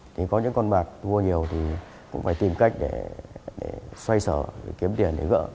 thì có những con bạc mua nhiều thì cũng phải tìm cách để xoay sở kiếm tiền để gỡ